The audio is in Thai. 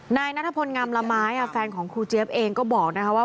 นายนัทพลงามละไม้แฟนของครูเจี๊ยบเองก็บอกนะคะว่า